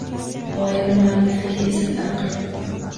G‘oya muallifiga esa farqi yo‘q